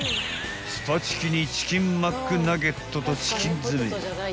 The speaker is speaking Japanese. ［スパチキにチキンマックナゲットとチキン攻め］